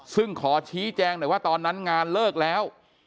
ซึ่งขอชี้แจงหน่อยว่าตอนนั้นงานเลิกแล้ว